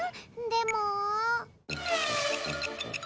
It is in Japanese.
でも。